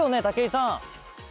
武井さん。